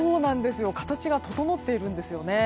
形が整っているんですよね。